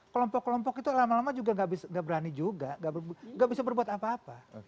kelompok kelompok itu lama lama juga nggak berani juga nggak bisa berbuat apa apa